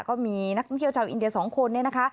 ก็มีนักท่องเที่ยวชาวอินเดีย๒คนเนี่ยนะคะ